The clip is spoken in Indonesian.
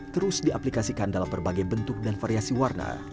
terus diaplikasikan dalam berbagai bentuk dan variasi warna